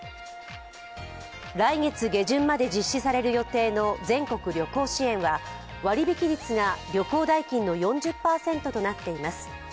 来月下旬まで実施される予定の全国旅行支援は割引率が旅行代金の４０％となっています。